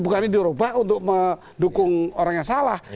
bukan ini dirubah untuk mendukung orang yang salah